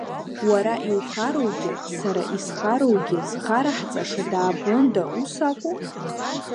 Уара иухароугьы, сара исхароугьы зхараҳҵаша даабонда, ус акәу?